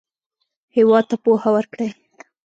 هېواد ته پوهه ورکړئ